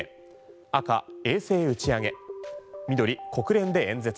赤、衛星打ち上げ緑、国連で演説。